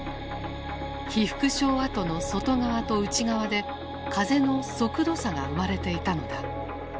被服廠跡の外側と内側で風の速度差が生まれていたのだ。